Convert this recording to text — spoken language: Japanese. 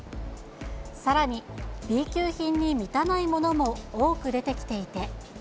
さらに、Ｂ級品に満たないものも多く出てきていて。